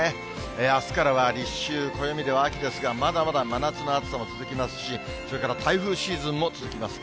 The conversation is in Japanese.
あすからは立秋、暦では秋ですが、まだまだ真夏の暑さも続きますし、それから台風シーズンも続きます。